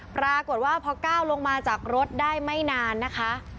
ปรากฏว่าพอก้าวลงมาจากรถได้ไม่นานนะคะ